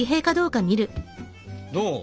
どう？